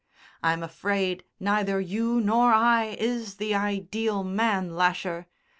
I'm afraid neither you nor I is the ideal man, Lasher.